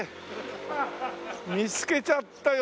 見つけちゃったよ